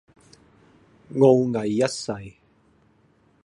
傲睨一世